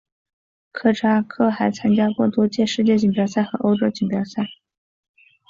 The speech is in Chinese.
科扎克还参加过多届世界锦标赛和欧洲锦标赛。